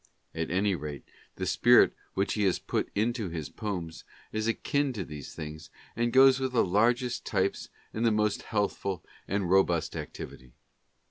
At any rate, the spirit which he has put into his poems is akin to these things, and goes with the largest types and the most healthful and robust activity.